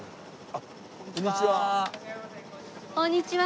あっこんにちは。